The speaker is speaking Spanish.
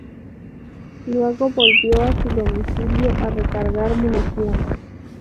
Luego volvió a su domicilio a recargar munición.